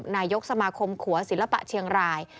นายกสมาคมขัวศิลปะเชียงราย